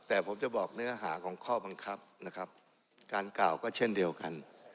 แต่ผมจะบอกเนื้อหาของข้อบังคับนะครับการกล่าวก็เช่นเดียวกัน